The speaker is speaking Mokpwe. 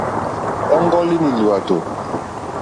Ɔ́ŋɡɔ́línì lwàtò.